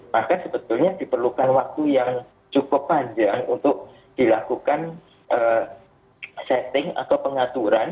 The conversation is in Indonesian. maka sebetulnya diperlukan waktu yang cukup panjang untuk dilakukan setting atau pengaturan